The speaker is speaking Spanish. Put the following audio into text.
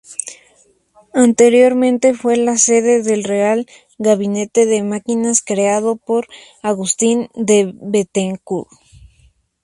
Anteriormente fue la sede del Real Gabinete de Máquinas creado por Agustín de Bethencourt.